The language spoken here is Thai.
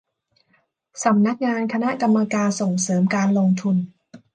สำนักงานคณะกรรมการส่งเสริมการลงทุน